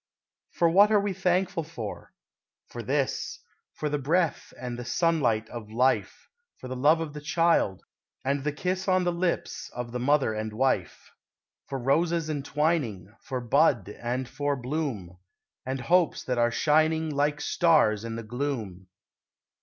For what are we thankful for? For this: For the breath and the sunlight of life For the love of the child, and the kiss On the lips of the mother and wife. For roses entwining, For bud and for bloom, And hopes that are shining Like stars in the gloom.